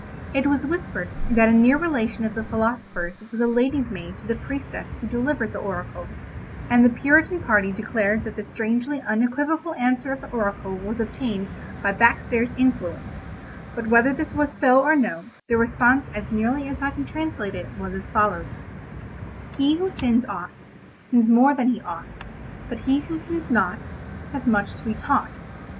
It was whispered that a near relation of the philosopher's was lady's maid to the priestess who delivered the oracle, and the Puritan party declared that the strangely unequivocal answer of the oracle was obtained by backstairs influence; but whether this was so or no, the response as nearly as I can translate it was as follows: "He who sins aught Sins more than he ought; But he who sins nought Has much to be taught.